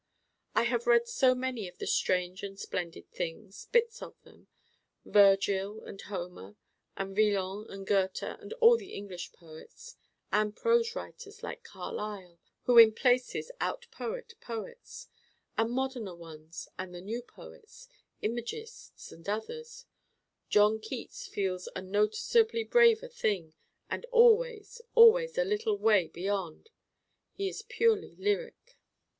I have read so many of the strange and splendid things bits of them: Vergil and Homer and Villon and Goethe and all the English poets, and prose writers like Carlyle who in places out poet poets, and moderner ones and the new poets, imagists and others: John Keats feels a noticeably braver thing, and always, always a little way beyond. He is purely lyric.